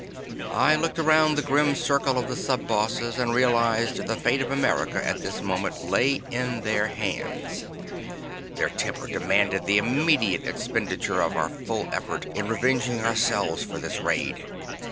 I looked around the grim circle of the sub bosses, and realized the fate of America, at this moment, lay in their hands. Their temper demanded the immediate expenditure of our full effort in revenging ourselves for this raid.